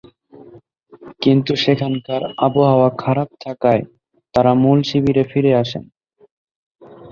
কিন্তু সেখানকার আবহাওয়া খারাপ থাকায় তারা মূল শিবিরে ফিরে আসেন।